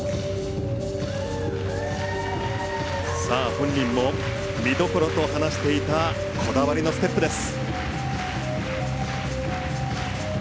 本人も見どころと話していたこだわりのステップです。